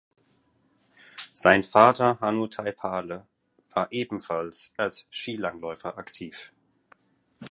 Sein Vater Hannu Taipale war ebenfalls als Skilangläufer aktiv.